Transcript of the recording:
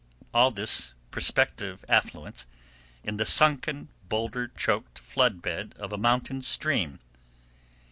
All this prospective affluence in the sunken, boulder choked flood bed of a mountain stream!